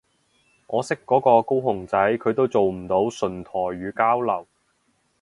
我識嗰個高雄仔佢都做唔到純台語交流